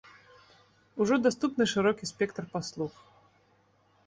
Ужо даступны шырокі спектр паслуг.